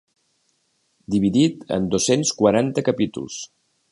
Dividit en dos-cents quaranta capítols.